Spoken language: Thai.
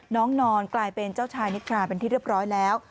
น้องนอนกลายเป็นเจ้าชายนิทราเป็นที่เรียบร้อยแล้ว